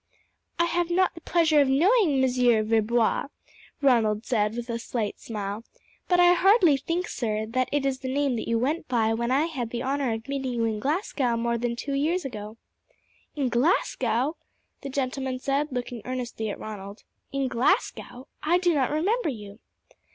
"I have not the pleasure of knowing Monsieur Verbois," Ronald said with a slight smile; "but I hardly think, sir, that that is the name that you went by when I had the honour of meeting you in Glasgow more than two years ago?" "In Glasgow!" the gentleman said, looking earnestly at Ronald. "In Glasgow! I do not remember you."